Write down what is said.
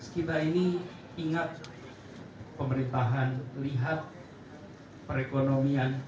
kita ini ingat pemerintahan lihat perekonomian